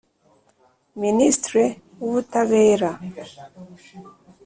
ministre w’ubutabera